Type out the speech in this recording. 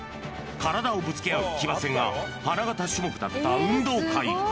体をぶつけ合う騎馬戦が花形種目だった運動会。